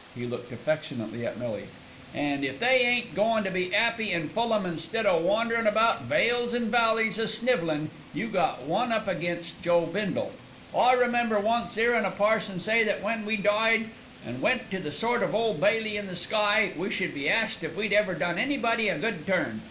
He looked affectionately at Millie. "An' if they ain't goin' to be 'appy in Fulham instead o' wanderin' about vales and valleys a snivellin', you got one up against Joe Bindle. "I remember once 'earin' a parson say that when we died and went to the sort of Ole Bailey in the sky, we should be asked if we'd ever done anybody a good turn.